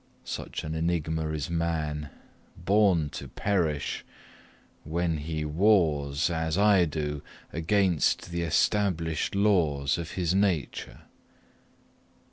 Such an enigma is man born to perish when he wars, as I do, against the established laws of his nature.